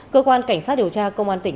cơ quan cảnh sát điều tra công an tỉnh